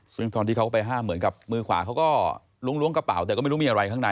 ซึ่งตอนที่เขาไปห้ามเหมือนกับมือขวาเขาก็ล้วงกระเป๋าแต่ก็ไม่รู้มีอะไรข้างใน